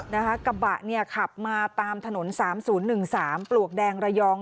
กระบะเนี่ยขับมาตามถนน๓๐๑๓ปลวกแดงระยอง